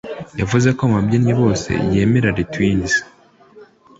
yavuze ko mubabyini bose yemera les twins